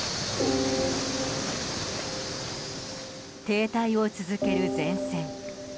停滞を続ける前線。